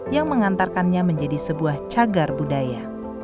yang mengantarkannya menjadi sebuah cagar budaya